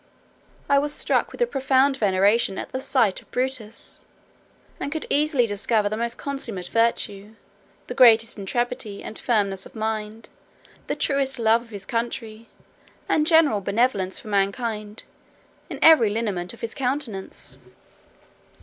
I was struck with a profound veneration at the sight of Brutus, and could easily discover the most consummate virtue, the greatest intrepidity and firmness of mind, the truest love of his country, and general benevolence for mankind, in every lineament of his countenance.